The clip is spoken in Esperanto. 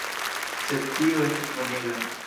Sed tio estas bonega!